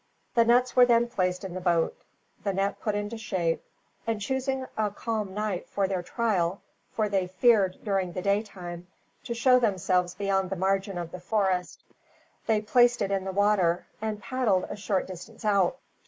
The nuts were then placed in the boat, the net put into shape and, choosing a calm night for their trial for they feared, during the daytime, to show themselves beyond the margin of the forest they placed it in the water, and paddled a short distance out.